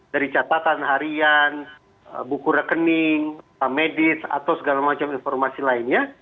dari catatan harian buku rekening medis atau segala macam informasi lainnya